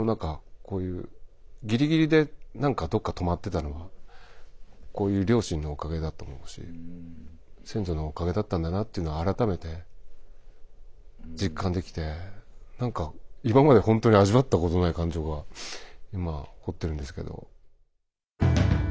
こういうギリギリで何かどっか止まってたのはこういう両親のおかげだと思うし先祖のおかげだったんだなというのを改めて実感できて何か今まで本当に味わったことのない感情が今起こってるんですけど。